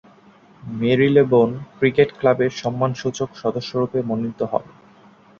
Marylebone cricket ক্লাবের সম্মানসূচক সদস্যরূপে মনোনীত হন তিনি।